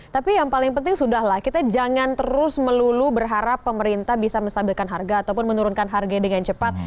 tapi yang paling penting sudah lah kita jangan terus melulu berharap pemerintah bisa menstabilkan harga ataupun menurunkan harganya dengan cepat